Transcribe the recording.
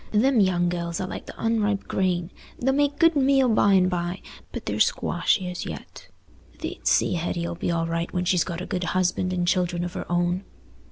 Them young gells are like the unripe grain; they'll make good meal by and by, but they're squashy as yet. Thee't see Hetty 'll be all right when she's got a good husband and children of her own."